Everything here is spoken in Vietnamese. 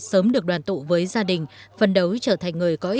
sớm được đoàn tụ với gia đình phân đấu trở thành người có ích cho xã hội